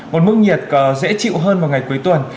một mức nhiệt dễ chịu hơn vào ngày cuối tuần